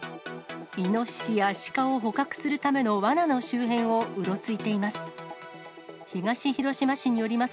イノシシやシカを捕獲するためのわなの周辺をうろついています。